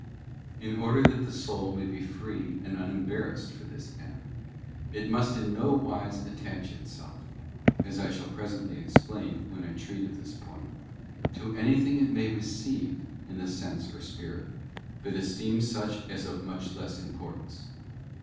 She flesh and In order that the soul may be free and unembarrassed for bothtobe this end, it must in no wise attach itself—as I shall pre ¥ sently explain when I treat of this point—to anything it may receive in the sense or spirit, but esteem, such as of much less importance.